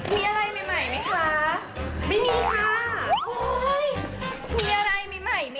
มีอะไรใหม่ใหม่ไหมคะไม่มีค่ะมีอะไรใหม่ใหม่ไหม